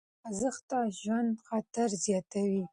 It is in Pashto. بې خوځښته ژوند خطر زیاتوي.